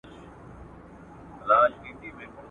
زه پرون سبا ته فکر وکړ